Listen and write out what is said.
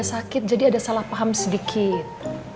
sakit jadi ada salah paham sedikit